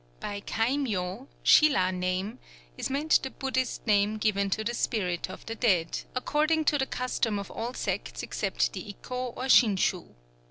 By kai myō (sîla name) is meant the Buddhist name given to the spirit of the dead, according to the custom of all sects except the Ikkō or Shinshū.